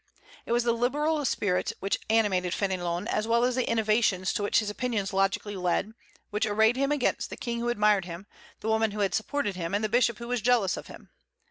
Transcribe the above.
It was the liberal spirit which animated Fénelon, as well as the innovations to which his opinions logically led, which arrayed against him the king who admired him, the woman who had supported him, and the bishop who was jealous of him.